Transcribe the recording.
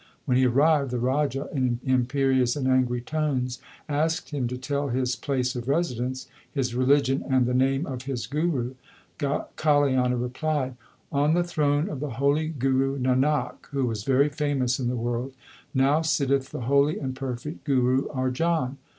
When he arrived, the Raja in imperious and angry tones asked him to tell his place of residence, his religion, and the name of his guru. Kaliana replied : On the throne of the holy Guru Nanak, who was very famous in the world, now sit tech the holy and perfect Guru Arjan.